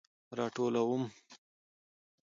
راټولوم